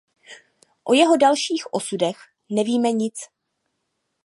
O jeho dalších osudech nevíme nic.